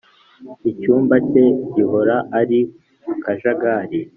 icyumba cye gihora ari akajagari.